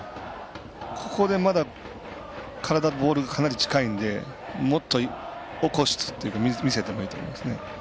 ここで、まだ体にボールかなり近いんでもっと起こして見せたほうがいいと思います。